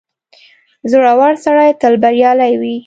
• زړور سړی تل بریالی وي.